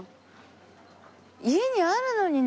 家にあるのにな